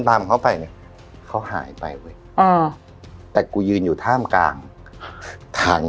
ตามเขาไปเนี่ยเขาหายไปเว้ยอ่าแต่กูยืนอยู่ท่ามกลางถัง